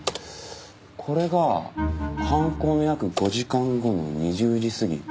これが犯行の約５時間後の２０時過ぎ。